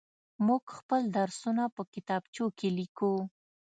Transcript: موږ خپل درسونه په کتابچو کې ليكو.